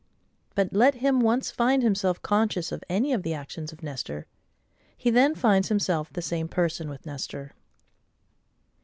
But let him once find himself conscious of any of the actions of Nestor, he then finds himself the same person with Nestor.